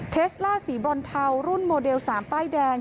เคสล่าสีบรอนเทารุ่นโมเดล๓ป้ายแดง